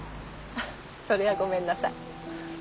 それはごめんなさい。